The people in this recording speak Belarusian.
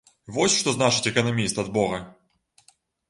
Вось што значыць эканаміст ад бога!